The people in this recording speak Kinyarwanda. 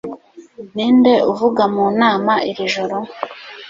Ninde uvuga mu nama iri joro?